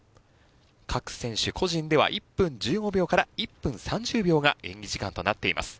各選手個人では１分１５秒から１分３０秒が演技時間となっています。